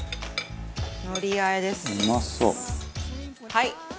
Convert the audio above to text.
はい！